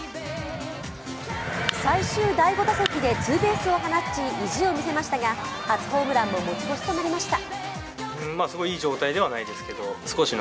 最終第５打席でツーベースを放ち意地を見せましたが初ホームランも持ち越しとなりました。